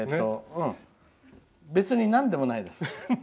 別になんでもないです。